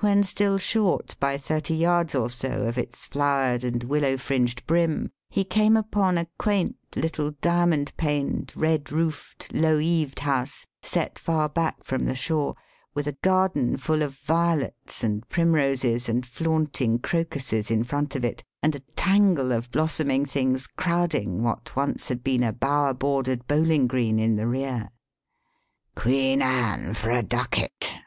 When still short, by thirty yards or so, of its flowered and willow fringed brim, he came upon a quaint little diamond paned, red roofed, low eaved house set far back from the shore, with a garden full of violets and primroses and flaunting crocuses in front of it, and a tangle of blossoming things crowding what once had been a bower bordered bowling green in the rear. "Queen Anne, for a ducat!"